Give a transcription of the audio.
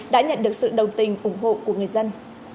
đã nhận được sự đồng tình ủng hộ của người dân